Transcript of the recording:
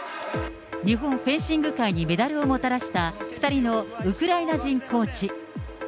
日本フェンシング界にメダルをもたらした２人のウクライナ人コーチ。